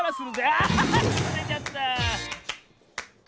ああっくずれちゃった！